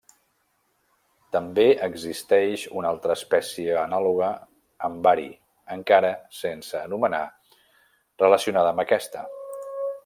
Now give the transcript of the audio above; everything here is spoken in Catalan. També existeix una altra espècia anàloga amb bari encara sense anomenar relacionada amb aquesta.